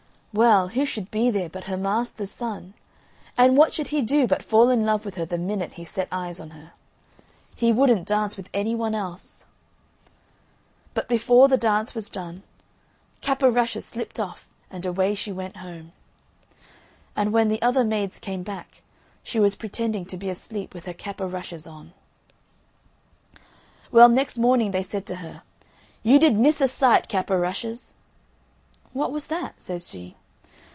Well, who should be there but her master's son, and what should he do but fall in love with her the minute he set eyes on her. He wouldn't dance with any one else. But before the dance was done Cap o' Rushes slipt off, and away she went home. And when the other maids came back she was pretending to be asleep with her cap o' rushes on. Well, next morning they said to her, "You did miss a sight, Cap o' Rushes!" "What was that?" says she.